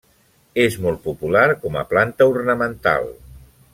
És molt popular com a planta ornamental.